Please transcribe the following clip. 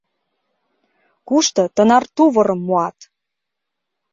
— Кушто тынар тувырым муат?